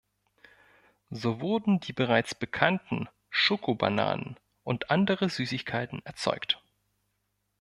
So wurden die bereits bekannten "Schoko-Bananen" und andere Süßigkeiten erzeugt.